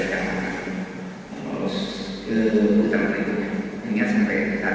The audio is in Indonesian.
saya ingat sampai saat ini saya tidak pernah nangis